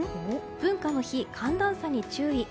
文化の日、寒暖差に注意。